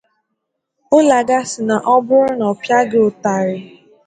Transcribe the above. Ụlaga sị na ọ bụrụ na ọ pịaghị ụtarị